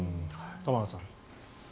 玉川さん。